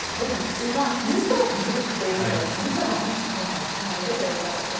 「うま・みそ・酢」ということでおみそがね今回使われるということです。